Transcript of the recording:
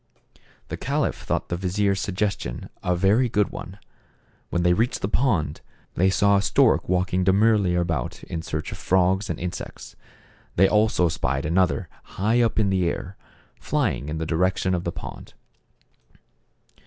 The caliph thought the vizier's suggestion a very good one. When they reached the pond, they saw a stork walking demurely about in search of frogs and insects. They also spied another high up in the air, flying in the direc tion of the pond.